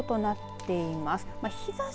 １０．７度となっています。